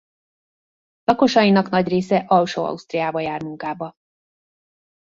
Lakosainak nagy része Alsó-Ausztriába jár munkába.